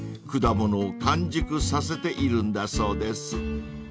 果物を完熟させているんだそうです］